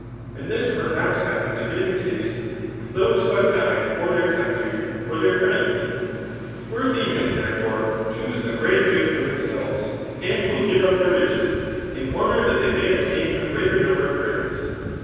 And this perhaps happened tobethecasevrith those who have died ffor their country, or their friends]. Worthy men, therefore, choose a great good for themselves ; and will give up thdr riches in order that they may obtain a greater number of friends.